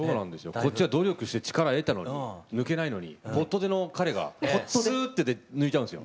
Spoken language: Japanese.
こっちは努力して力得たのに抜けないのにぽっと出の彼がスーって抜いちゃうんですよ。